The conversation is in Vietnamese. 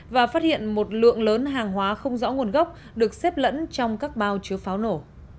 và phát hiện một lượng lớn hàng hóa không rõ nguồn gốc được xếp lẫn trong các bao chứa pháo nổ